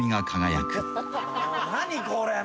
何これ！？